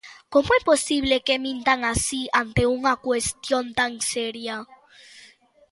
¿Como é posible que mintan así ante unha cuestión tan seria?